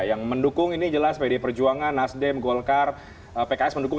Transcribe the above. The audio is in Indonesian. yang mendukung ini jelas pdi perjuangan nasdem golkar pks mendukung